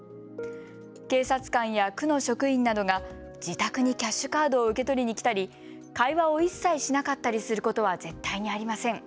警察官や区の職員などが自宅にキャッシュカードを受け取りに来たり、会話を一切しなかったりすることは絶対にありません。